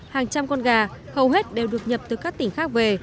hàng trăm con gà hầu hết đều được nhập từ các tỉnh khác về